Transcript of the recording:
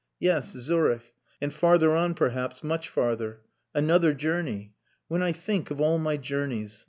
"Yes, Zurich and farther on, perhaps, much farther. Another journey. When I think of all my journeys!